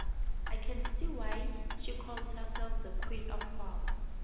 I can see why she calls herself the Queen of Pop.